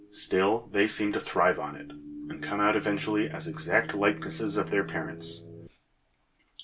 Still they seem to thrive on it, and come out eventually as exact likenesses of their parents.